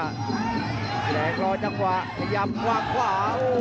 อิศิแดงรอจังหวะพยายามวางขวา